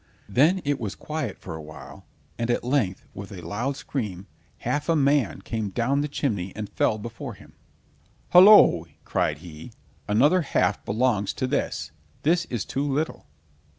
Then it was quiet for a while, and at length with a loud scream, half a man came down the chimney and fell before him. "Hollo!" cried he, "another half belongs to this. This is too little!"